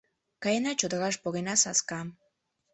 Каена чодыраш, погена саскам: